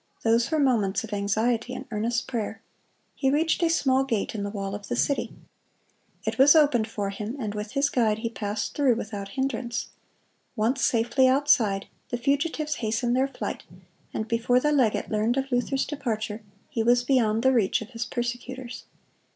Those were moments of anxiety and earnest prayer. He reached a small gate in the wall of the city. It was opened for him, and with his guide he passed through without hindrance. Once safely outside, the fugitives hastened their flight, and before the legate learned of Luther's departure, he was beyond the reach of his persecutors.